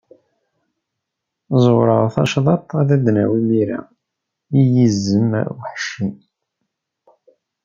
Zzewreɣ tacḍaṭ, ad d-nawi mira, i yizem aweḥci.